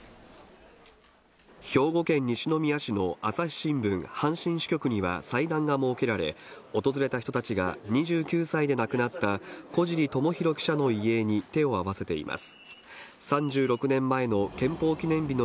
兵庫県西宮市の朝日新聞阪神支局には祭壇が設けられ、訪れた人たちが２９歳で亡くなった小尻ともひろ記者の遺影に手を合わせています。